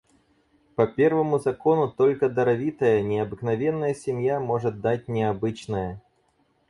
По первому закону только даровитая, необыкновенная семья может дать необычное.